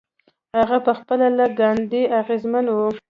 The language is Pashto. هغه پخپله له ګاندي اغېزمن و.